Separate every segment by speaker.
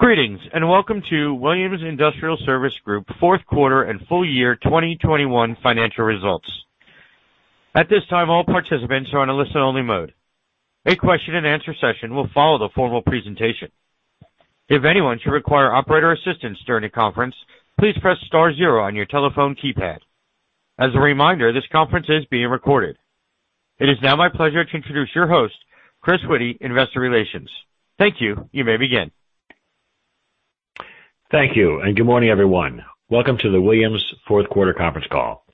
Speaker 1: Greetings, and welcome to Williams Industrial Services Group fourth quarter and full year 2021 financial results. At this time, all participants are on a listen-only mode. A question-and-answer session will follow the formal presentation. If anyone should require operator assistance during the conference, please press star zero on your telephone keypad. As a reminder, this conference is being recorded. It is now my pleasure to introduce your host, Chris Witty, Investor Relations. Thank you. You may begin.
Speaker 2: Thank you, and good morning, everyone. Welcome to the Williams fourth quarter conference call.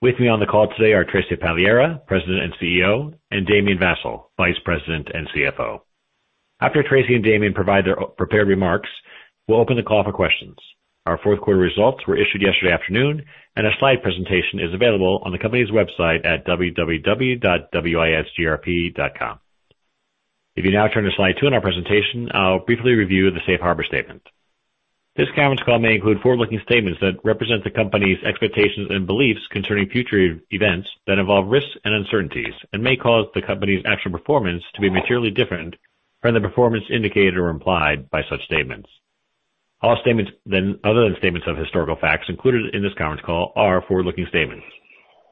Speaker 2: With me on the call today are Tracy Pagliara, President and CEO, and Damien Vassall, Vice President and CFO. After Tracy and Damien provide their prepared remarks, we'll open the call for questions. Our fourth quarter results were issued yesterday afternoon, and a slide presentation is available on the company's website at www.wisgrp.com. If you now turn to slide two in our presentation, I'll briefly review the safe harbor statement. This conference call may include forward-looking statements that represent the company's expectations and beliefs concerning future events that involve risks and uncertainties and may cause the company's actual performance to be materially different from the performance indicated or implied by such statements. All statements then, other than statements of historical facts included in this conference call, are forward-looking statements.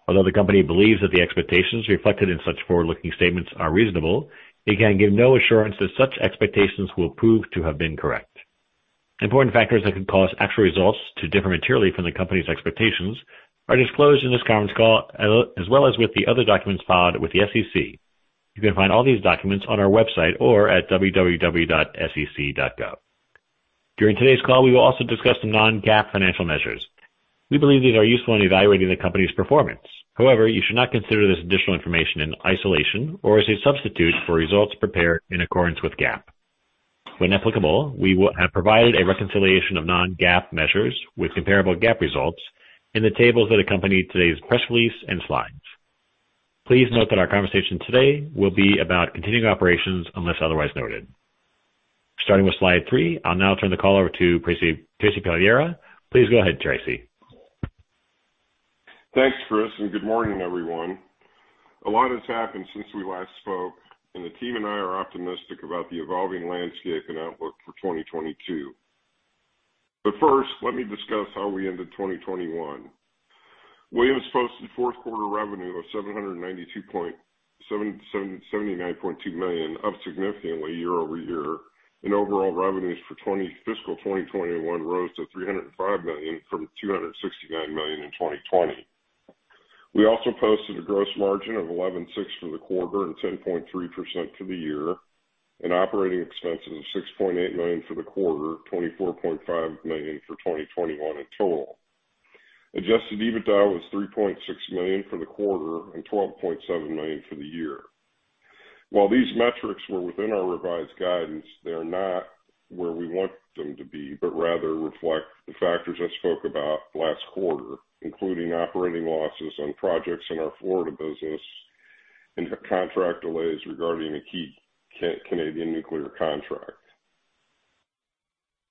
Speaker 2: Although the company believes that the expectations reflected in such forward-looking statements are reasonable, it can give no assurance that such expectations will prove to have been correct. Important factors that could cause actual results to differ materially from the company's expectations are disclosed in this conference call, as well as with the other documents filed with the SEC. You can find all these documents on our website or at www.sec.gov. During today's call, we will also discuss some non-GAAP financial measures. We believe these are useful in evaluating the company's performance. However, you should not consider this additional information in isolation or as a substitute for results prepared in accordance with GAAP. When applicable, we will have provided a reconciliation of non-GAAP measures with comparable GAAP results in the tables that accompany today's press release and slides. Please note that our conversation today will be about continuing operations unless otherwise noted. Starting with slide three, I'll now turn the call over to Tracy Pagliara. Please go ahead, Tracy.
Speaker 3: Thanks, Chris, and good morning, everyone. A lot has happened since we last spoke, and the team and I are optimistic about the evolving landscape and outlook for 2022. First, let me discuss how we ended 2021. Williams posted fourth quarter revenue of $79.2 million, up significantly year-over-year, and overall revenues for fiscal 2021 rose to $305 million from $269 million in 2020. We also posted a gross margin of 11.6% for the quarter and 10.3% for the year, and operating expenses of $6.8 million for the quarter, $24.5 million for 2021 in total. Adjusted EBITDA was $3.6 million for the quarter and $12.7 million for the year. While these metrics were within our revised guidance, they are not where we want them to be, but rather reflect the factors I spoke about last quarter, including operating losses on projects in our Florida business and the contract delays regarding a key Canadian nuclear contract.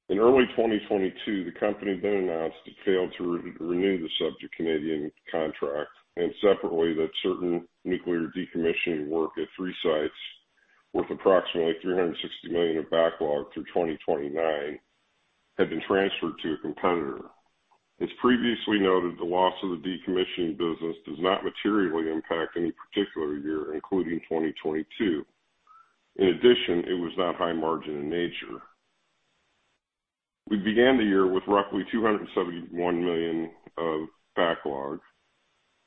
Speaker 3: In early 2022, the company announced it failed to renew the subject Canadian contract, and separately, that certain nuclear decommissioning work at three sites, worth approximately $360 million in backlog through 2029, had been transferred to a competitor. As previously noted, the loss of the decommissioning business does not materially impact any particular year, including 2022. In addition, it was not high margin in nature. We began the year with roughly $271 million of backlog.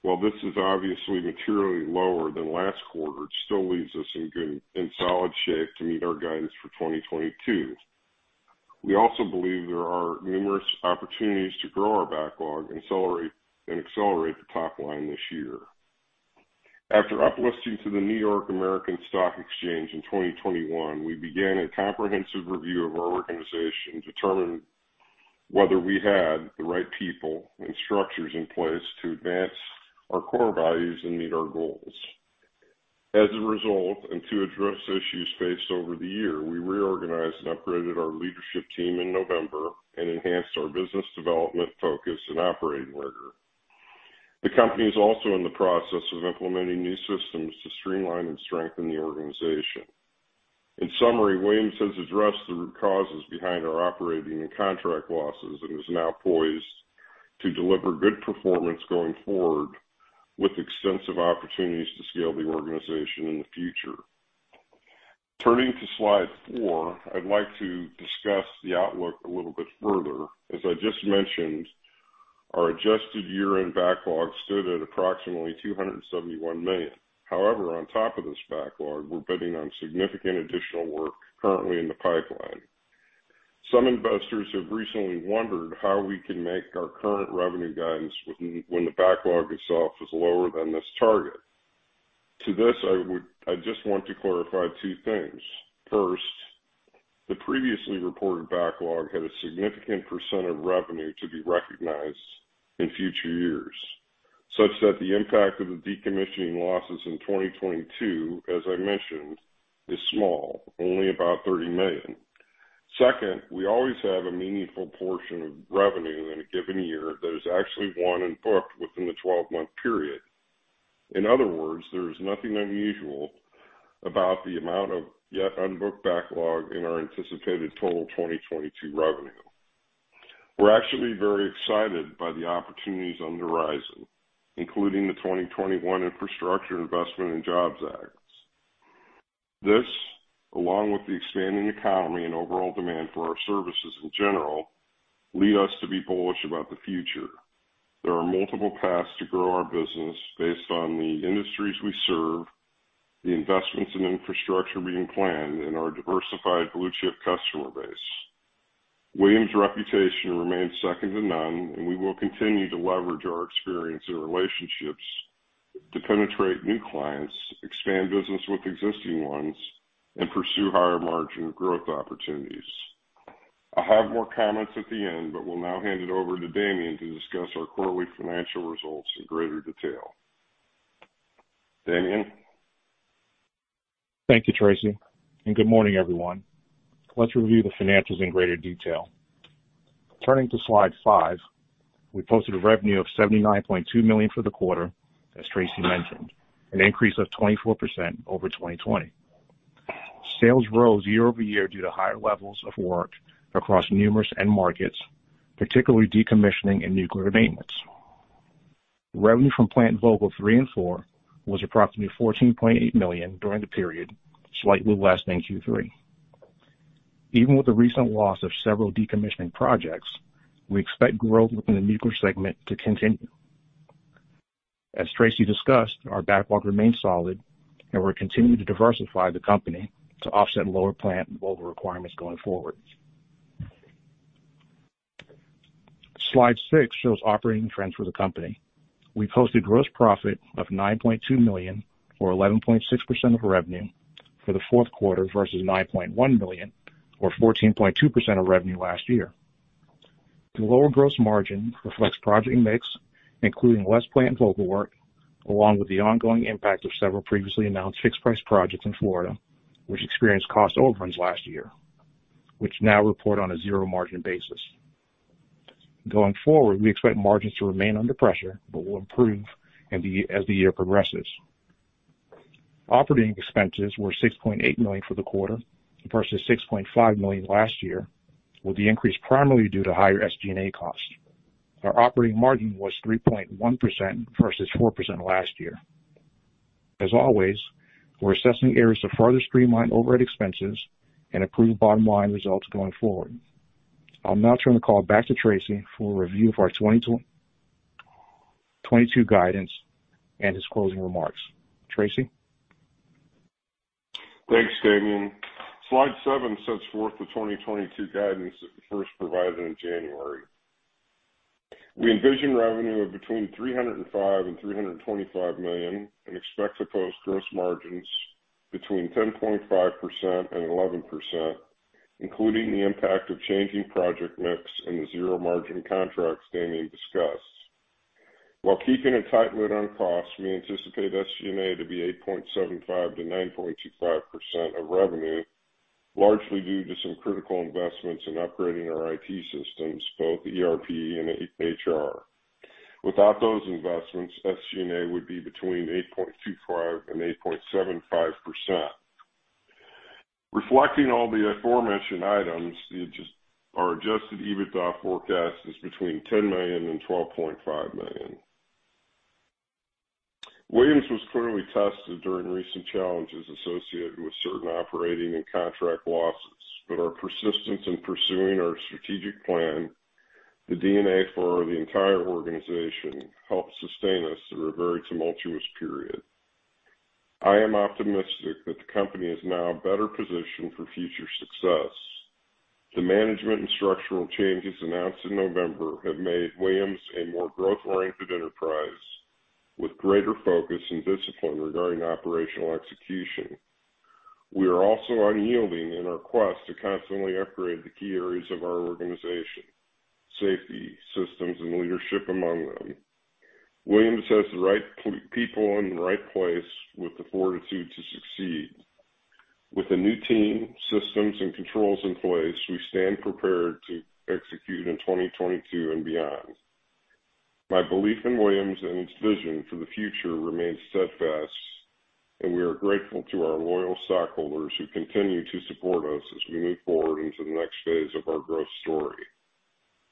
Speaker 3: While this is obviously materially lower than last quarter, it still leaves us in good and solid shape to meet our guidance for 2022. We also believe there are numerous opportunities to grow our backlog and accelerate the top line this year. After uplisting to the NYSE American in 2021, we began a comprehensive review of our organization to determine whether we had the right people and structures in place to advance our core values and meet our goals. As a result, and to address issues faced over the year, we reorganized and upgraded our leadership team in November and enhanced our business development focus and operating rigor. The company is also in the process of implementing new systems to streamline and strengthen the organization. In summary, Williams has addressed the root causes behind our operating and contract losses and is now poised to deliver good performance going forward with extensive opportunities to scale the organization in the future. Turning to slide 4, I'd like to discuss the outlook a little bit further. As I just mentioned, our adjusted year-end backlog stood at approximately $271 million. However, on top of this backlog, we're bidding on significant additional work currently in the pipeline. Some investors have recently wondered how we can make our current revenue guidance when the backlog itself is lower than this target. To this, I just want to clarify two things. First, the previously reported backlog had a significant percent of revenue to be recognized in future years, such that the impact of the decommissioning losses in 2022, as I mentioned, is small, only about $30 million. Second, we always have a meaningful portion of revenue in a given year that is actually won and booked within the 12-month period. In other words, there is nothing unusual about the amount of yet unbooked backlog in our anticipated total 2022 revenue. We're actually very excited by the opportunities on the horizon, including the 2021 Infrastructure Investment and Jobs Act. This, along with the expanding economy and overall demand for our services in general, lead us to be bullish about the future. There are multiple paths to grow our business based on the industries we serve, the investments in infrastructure being planned, and our diversified blue-chip customer base. Williams' reputation remains second to none, and we will continue to leverage our experience and relationships to penetrate new clients, expand business with existing ones, and pursue higher margin growth opportunities. I'll have more comments at the end, but will now hand it over to Damien to discuss our quarterly financial results in greater detail. Damien?
Speaker 4: Thank you, Tracy, and good morning, everyone. Let's review the financials in greater detail. Turning to slide 5, we posted a revenue of $79.2 million for the quarter, as Tracy mentioned, an increase of 24% over 2020. Sales rose year-over-year due to higher levels of work across numerous end markets, particularly decommissioning and nuclear maintenance. Revenue from Plant Vogtle 3 and 4 was approximately $14.8 million during the period, slightly less than Q3. Even with the recent loss of several decommissioning projects, we expect growth within the nuclear segment to continue. As Tracy discussed, our backlog remains solid, and we're continuing to diversify the company to offset lower Plant Vogtle requirements going forward. Slide 6 shows operating trends for the company. We posted gross profit of $9.2 million, or 11.6% of revenue for the fourth quarter versus $9.1 million or 14.2% of revenue last year. The lower gross margin reflects project mix, including less Plant Vogtle work, along with the ongoing impact of several previously announced fixed-price projects in Florida, which experienced cost overruns last year, which now report on a zero margin basis. Going forward, we expect margins to remain under pressure, but will improve as the year progresses. Operating expenses were $6.8 million for the quarter versus $6.5 million last year, with the increase primarily due to higher SG&A costs. Our operating margin was 3.1% versus 4% last year. As always, we're assessing areas to further streamline overhead expenses and improve bottom line results going forward. I'll now turn the call back to Tracy for a review of our 2022 guidance and his closing remarks. Tracy?
Speaker 3: Thanks, Damien. Slide seven sets forth the 2022 guidance that we first provided in January. We envision revenue of between $305 million and $325 million, and expect to post gross margins between 10.5% and 11%, including the impact of changing project mix and the zero-margin contracts Damien discussed. While keeping a tight lid on costs, we anticipate SG&A to be 8.75%-9.25% of revenue, largely due to some critical investments in upgrading our IT systems, both ERP and HR. Without those investments, SG&A would be between 8.25% and 8.75%. Reflecting all the aforementioned items, our Adjusted EBITDA forecast is between $10 million and $12.5 million. Williams was clearly tested during recent challenges associated with certain operating and contract losses, but our persistence in pursuing our strategic plan, the DNA for the entire organization, helped sustain us through a very tumultuous period. I am optimistic that the company is now better positioned for future success. The management and structural changes announced in November have made Williams a more growth-oriented enterprise with greater focus and discipline regarding operational execution. We are also unyielding in our quest to constantly upgrade the key areas of our organization, safety, systems, and leadership among them. Williams has the right people in the right place with the fortitude to succeed. With the new team, systems, and controls in place, we stand prepared to execute in 2022 and beyond. My belief in Williams and its vision for the future remains steadfast, and we are grateful to our loyal stockholders who continue to support us as we move forward into the next phase of our growth story.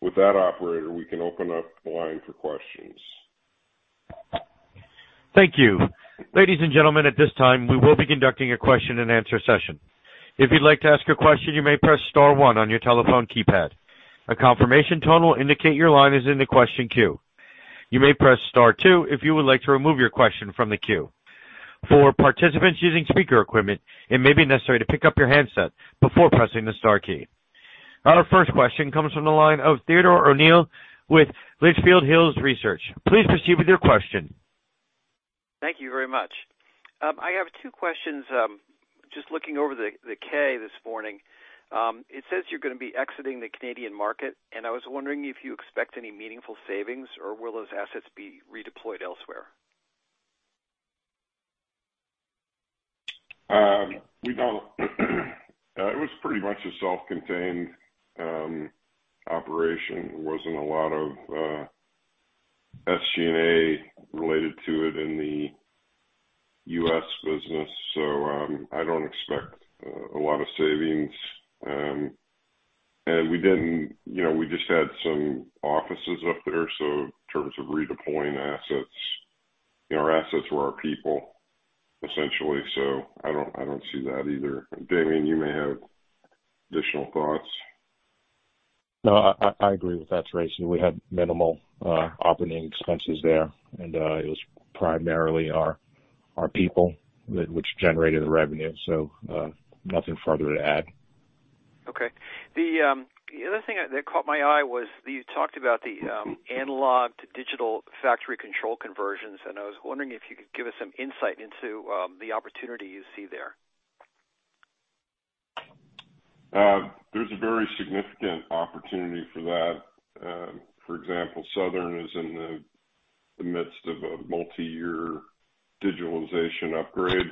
Speaker 3: With that, operator, we can open up the line for questions.
Speaker 1: Thank you. Ladies and gentlemen, at this time, we will be conducting a question-and-answer session. If you'd like to ask a question, you may press star one on your telephone keypad. A confirmation tone will indicate your line is in the question queue. You may press star two if you would like to remove your question from the queue. For participants using speaker equipment, it may be necessary to pick up your handset before pressing the star key. Our first question comes from the line of Theodore O'Neill with Litchfield Hills Research. Please proceed with your question.
Speaker 5: Thank you very much. I have two questions. Just looking over the 10-K this morning, it says you're gonna be exiting the Canadian market, and I was wondering if you expect any meaningful savings, or will those assets be redeployed elsewhere?
Speaker 3: We don't. It was pretty much a self-contained operation. It wasn't a lot of SG&A related to it in the U.S. business. I don't expect a lot of savings. You know, we just had some offices up there, so in terms of redeploying assets, you know, our assets were our people essentially. I don't see that either. Damien, you may have additional thoughts.
Speaker 4: No, I agree with that, Tracy. We had minimal operating expenses there, and it was primarily our people which generated the revenue. Nothing further to add.
Speaker 5: Okay. The other thing that caught my eye was that you talked about the analog-to-digital factory control conversions, and I was wondering if you could give us some insight into the opportunity you see there?
Speaker 3: There's a very significant opportunity for that. For example, Southern is in the midst of a multi-year digitalization upgrade,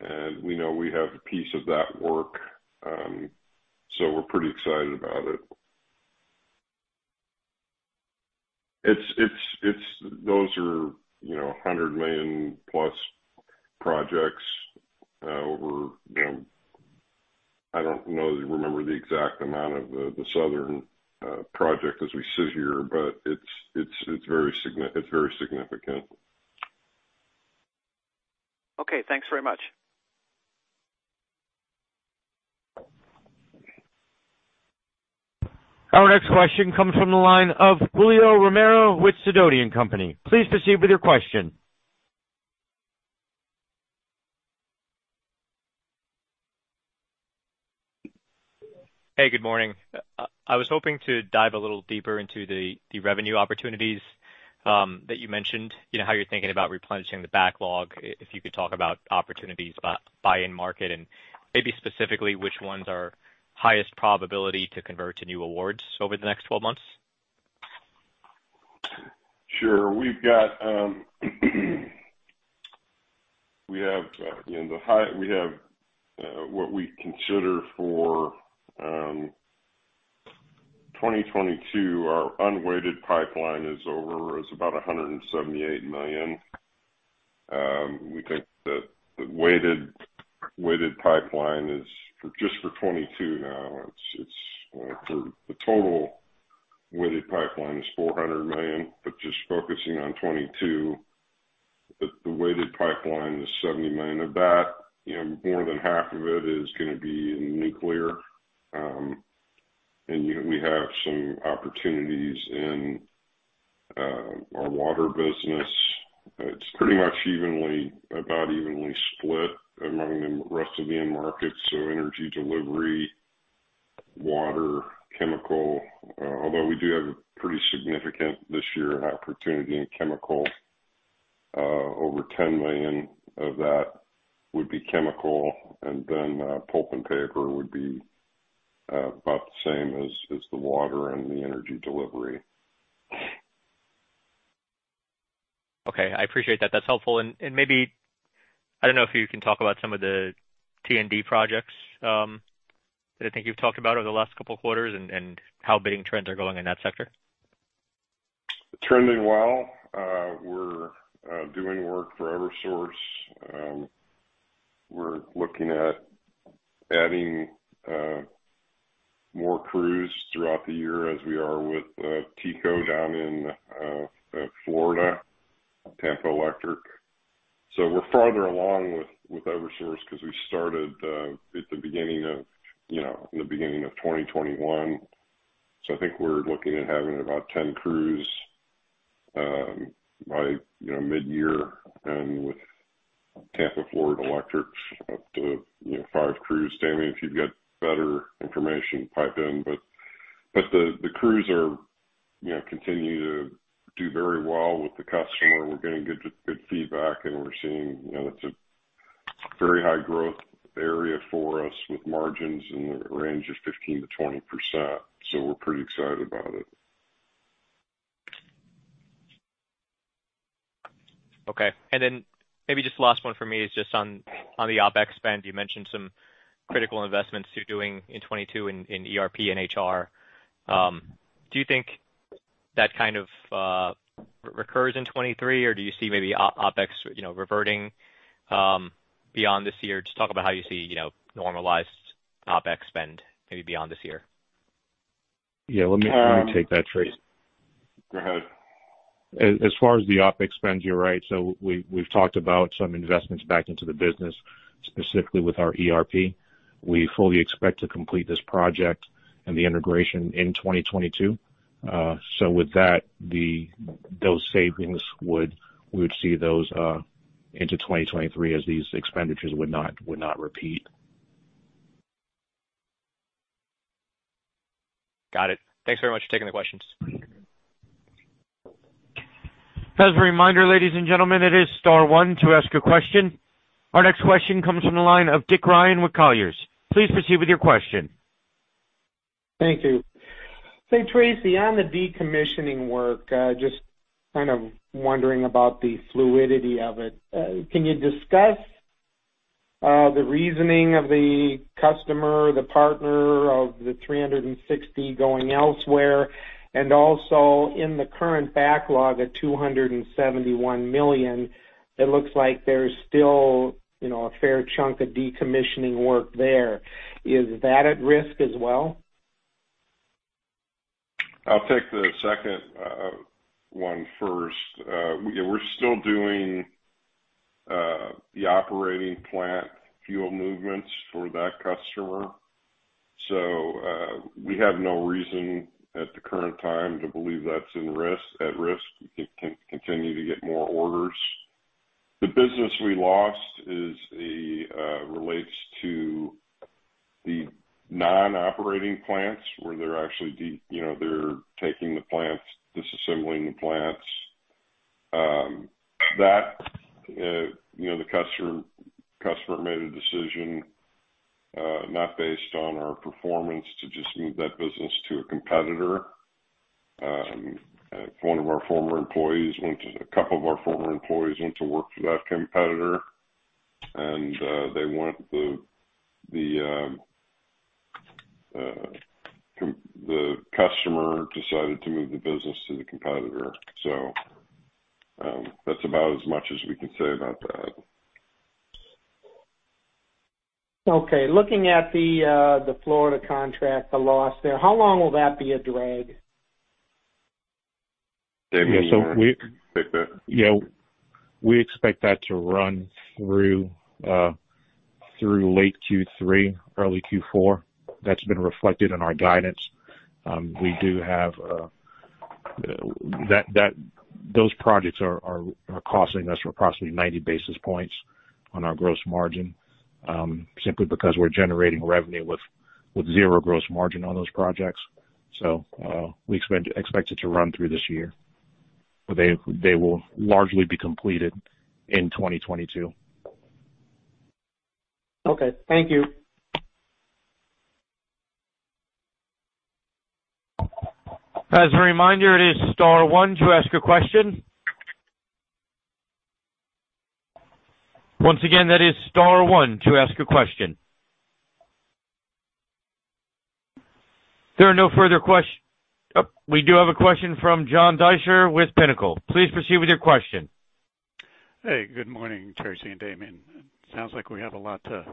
Speaker 3: and we know we have a piece of that work. We're pretty excited about it. Those are, you know, $100 million-plus projects over, you know. I don't know that I remember the exact amount of the Southern project as we sit here, but it's very significant.
Speaker 5: Okay. Thanks very much.
Speaker 1: Our next question comes from the line of Julio Romero with Sidoti & Company. Please proceed with your question.
Speaker 6: Hey, good morning. I was hoping to dive a little deeper into the revenue opportunities that you mentioned, you know, how you're thinking about replenishing the backlog, if you could talk about opportunities by end market, and maybe specifically which ones are highest probability to convert to new awards over the next 12 months.
Speaker 3: Sure. You know, we have what we consider for 2022, our unweighted pipeline is about $178 million. We think that the total weighted pipeline is $400 million, but just focusing on 2022, the weighted pipeline is $70 million. Of that, you know, more than half of it is gonna be in nuclear. We have some opportunities in our water business. It's pretty much about evenly split among the rest of the end markets, so energy delivery, water, chemical, although we do have a pretty significant this year opportunity in chemical. Over $10 million of that would be chemical, and then pulp and paper would be about the same as the water and the energy delivery.
Speaker 6: Okay, I appreciate that. That's helpful. Maybe I don't know if you can talk about some of the T&D projects that I think you've talked about over the last couple of quarters and how bidding trends are going in that sector?
Speaker 3: Trending well. We're doing work for Eversource. We're looking at adding more crews throughout the year as we are with TECO down in Florida, Tampa Electric. We're farther along with Eversource because we started at the beginning of, you know, in the beginning of 2021. I think we're looking at having about 10 crews by, you know, midyear. With Tampa Electric up to, you know, 5 crews. Damien, if you've got better information, pipe in. The crews are, you know, continue to do very well with the customer. We're getting good feedback, and we're seeing, you know, that's a very high growth area for us with margins in the range of 15%-20%. We're pretty excited about it.
Speaker 6: Okay. Then maybe just last one for me is just on the OpEx spend. You mentioned some critical investments you're doing in 2022 in ERP and HR. Do you think that kind of recurs in 2023, or do you see maybe OpEx, you know, reverting beyond this year? Just talk about how you see, you know, normalized OpEx spend maybe beyond this year.
Speaker 4: Yeah. Let me take that, Tracy.
Speaker 3: Go ahead.
Speaker 4: As far as the OpEx spend, you're right. We've talked about some investments back into the business, specifically with our ERP. We fully expect to complete this project and the integration in 2022. With that, we would see those savings into 2023 as these expenditures would not repeat.
Speaker 6: Got it. Thanks very much for taking the questions.
Speaker 1: As a reminder, ladies and gentlemen, it is star one to ask a question. Our next question comes from the line of Dick Ryan with Colliers. Please proceed with your question.
Speaker 7: Thank you. Say, Tracy, on the decommissioning work, just kind of wondering about the fluidity of it. Can you discuss the reasoning of the customer, the partner of the $360 going elsewhere? Also in the current backlog at $271 million, it looks like there's still, you know, a fair chunk of decommissioning work there. Is that at risk as well?
Speaker 3: I'll take the second one first. Yeah, we're still doing the operating plant fuel movements for that customer. We have no reason at the current time to believe that's at risk. We continue to get more orders. The business we lost relates to the non-operating plants where they're actually you know, they're taking the plants, disassembling the plants. That you know, the customer made a decision not based on our performance to just move that business to a competitor. One of our former employees went to a couple of our former employees went to work for that competitor, and the customer decided to move the business to the competitor. That's about as much as we can say about that.
Speaker 7: Okay. Looking at the Florida contract, the loss there, how long will that be a drag?
Speaker 3: Damien, you want to take that?
Speaker 4: Yeah. We expect that to run through late Q3, early Q4. That's been reflected in our guidance. We do have those projects are costing us approximately 90 basis points on our gross margin, simply because we're generating revenue with zero gross margin on those projects. We expect it to run through this year. They will largely be completed in 2022.
Speaker 7: Okay, thank you.
Speaker 1: As a reminder, it is star one to ask a question. Once again, that is star one to ask a question. We do have a question from John Deysher with Pinnacle. Please proceed with your question.
Speaker 8: Hey, good morning, Tracy and Damien. Sounds like we have a lot to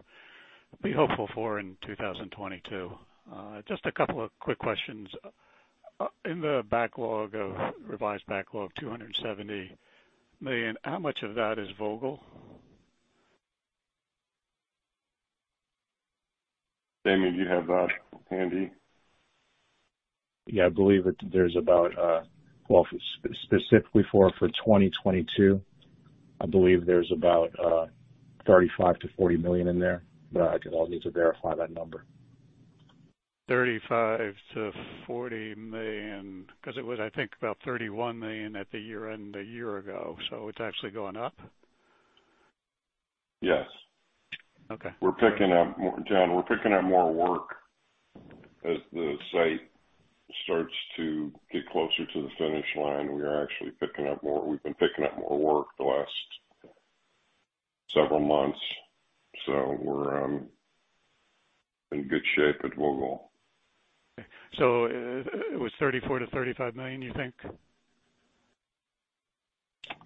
Speaker 8: be hopeful for in 2022. Just a couple of quick questions. In the revised backlog of $270 million, how much of that is Vogtle?
Speaker 3: Damien, do you have that handy?
Speaker 4: Yeah, I believe that there's about, well, specifically for 2022, I believe there's about $35 million-$40 million in there, but I'll need to verify that number.
Speaker 8: $35 million-$40 million, because it was, I think, about $31 million at the year-end a year ago. It's actually gone up?
Speaker 3: Yes.
Speaker 8: Okay.
Speaker 3: John, we're picking up more work as the site starts to get closer to the finish line. We are actually picking up more. We've been picking up more work the last several months, so we're in good shape at Vogtle.
Speaker 8: It was $34 million-$35 million you think?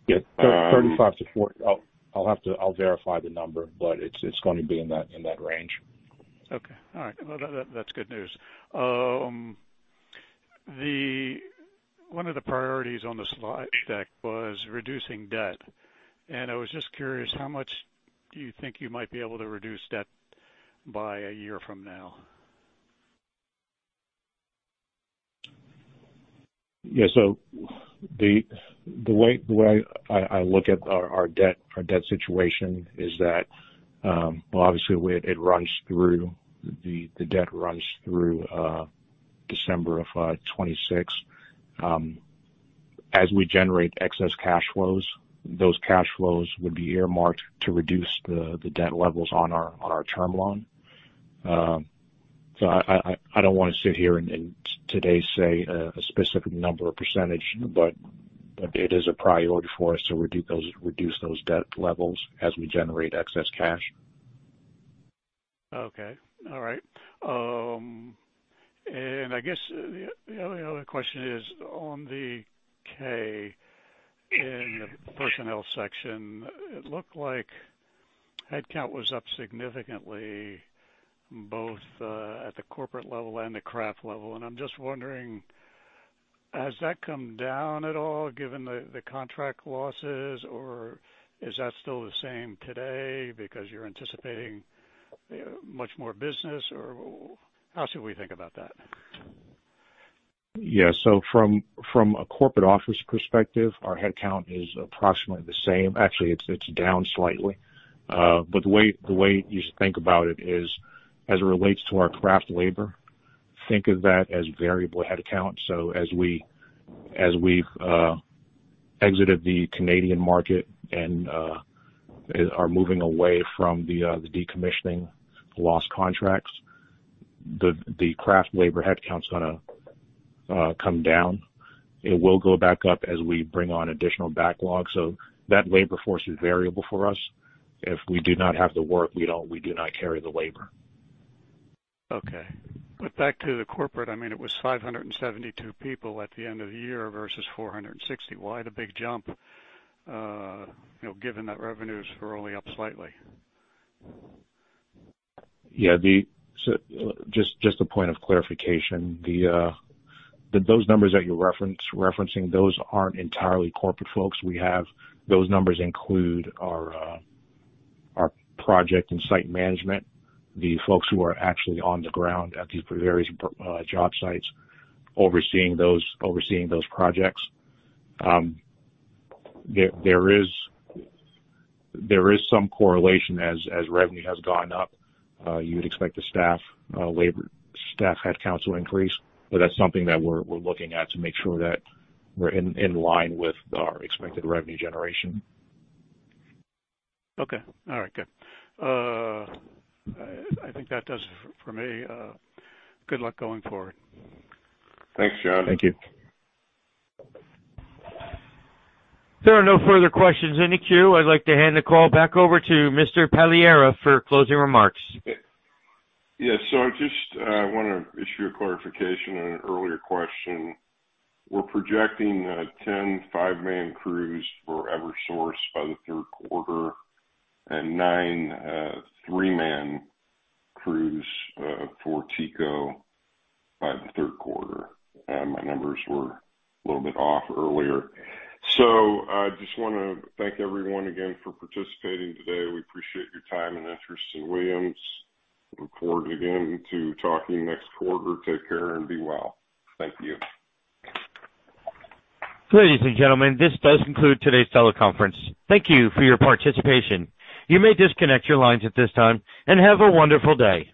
Speaker 4: Yeah. 35-40. I'll verify the number, but it's going to be in that range.
Speaker 8: Okay. All right. Well, that's good news. One of the priorities on the slide deck was reducing debt, and I was just curious, how much do you think you might be able to reduce debt by a year from now?
Speaker 4: The way I look at our debt situation is that, well, obviously the debt runs through December of 2026. As we generate excess cash flows, those cash flows would be earmarked to reduce the debt levels on our Term Loan. I don't want to sit here and today say a specific number or percentage, but it is a priority for us to reduce those debt levels as we generate excess cash.
Speaker 8: Okay. All right. I guess the only other question is on the K in the personnel section. It looked like headcount was up significantly, both at the corporate level and the craft level. I'm just wondering, has that come down at all given the contract losses, or is that still the same today because you're anticipating much more business? Or how should we think about that?
Speaker 4: From a corporate office perspective, our headcount is approximately the same. Actually, it's down slightly. The way you should think about it is as it relates to our craft labor, think of that as variable headcount. As we've exited the Canadian market and are moving away from the decommissioning loss contracts, the craft labor headcount is gonna come down. It will go back up as we bring on additional backlogs. That labor force is variable for us. If we do not have the work, we do not carry the labor.
Speaker 8: Okay. Back to the corporate, I mean, it was 572 people at the end of the year versus 460. Why the big jump, you know, given that revenues were only up slightly?
Speaker 4: Yeah. Just a point of clarification. Those numbers that you're referencing, those aren't entirely corporate folks. Those numbers include our project and site management, the folks who are actually on the ground at these various job sites overseeing those projects. There is some correlation as revenue has gone up. You'd expect the staff labor headcounts will increase. That's something that we're looking at to make sure that we're in line with our expected revenue generation.
Speaker 8: Okay. All right, good. I think that does it for me. Good luck going forward.
Speaker 3: Thanks, John.
Speaker 4: Thank you.
Speaker 1: There are no further questions in the queue. I'd like to hand the call back over to Mr. Pagliara for closing remarks.
Speaker 3: Yes. I just wanna issue a clarification on an earlier question. We're projecting 10 five-man crews for Eversource by the third quarter and 9 three-man crews for TECO by the third quarter. My numbers were a little bit off earlier. I just wanna thank everyone again for participating today. We appreciate your time and interest in Williams. Look forward again to talking next quarter. Take care and be well. Thank you.
Speaker 1: Ladies and gentlemen, this does conclude today's teleconference. Thank you for your participation. You may disconnect your lines at this time, and have a wonderful day.